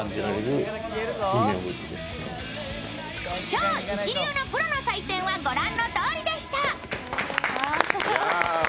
超一流のプロの採点はご覧のとおりでした。